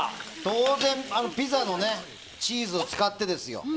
当然ピザのチーズを使ってですよ。